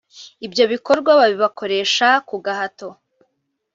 ibyo bikorwa babibakoresha ku gahato